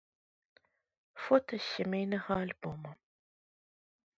Фота з сямейнага альбома.